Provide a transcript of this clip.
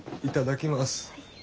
いただきます。